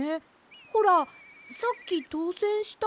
ほらさっきとうせんしたひとも。